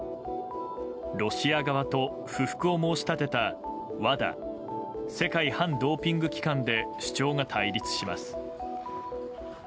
ロシア側と不服を申し立てたＷＡＤＡ・世界反ドーピング機関で主張が対立します。